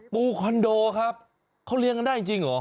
คอนโดครับเขาเลี้ยงกันได้จริงเหรอ